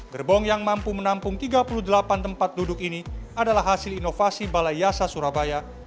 gerbong yang mampu menampung tiga puluh delapan tempat duduk ini adalah hasil inovasi balai yasa surabaya